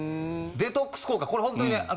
デトックス効果これほんとにね